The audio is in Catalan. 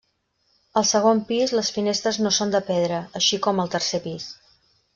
Al segon pis les finestres no són de pedra, així com al tercer pis.